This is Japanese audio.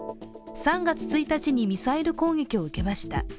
３月１日にミサイル攻撃を受けました。